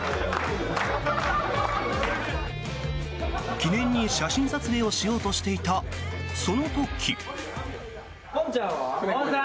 記念に写真撮影しようとしていたその時。